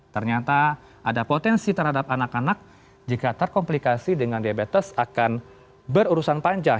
ternyata ada potensi terhadap anak anak jika terkomplikasi dengan diabetes akan berurusan panjang